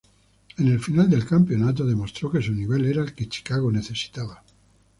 En el final del campeonato demostró que su nivel era el que Chicago necesitaba.